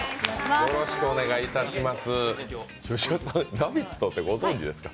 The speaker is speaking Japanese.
吉田さん、「ラヴィット！」ってご存じですか？